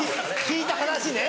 聞いた話ね。